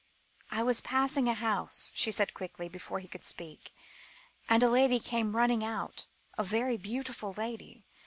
"I was passing a house," she said quickly, before he could speak, "and a lady came running out a very beautiful lady.